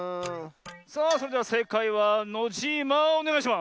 さあそれではせいかいはノジーマおねがいします！